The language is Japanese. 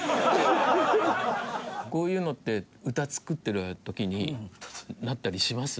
こういうのって歌作ってる時になったりします？